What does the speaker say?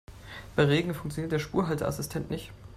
Bei Regen funktioniert der Spurhalteassistent nicht.